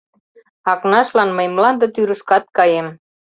— Акнашлан мый мланде тӱрышкат каем...